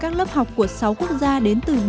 các lớp học của sáu quốc gia đến từ